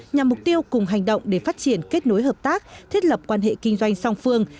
nhằm mục tiêu cùng hành động để phát triển kết nối hợp tác thiết lập quan hệ kinh doanh song phương